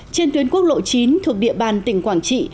trên tuyến quốc lộ chín thuộc địa bàn tỉnh quảng trị